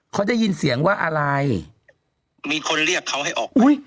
เขาได้ยินเสียงว่าอะไรมีคนเรียกเขาให้ออกอุ้ย